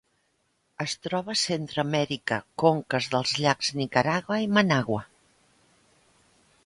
Es troba a Centreamèrica: conques dels llacs Nicaragua i Managua.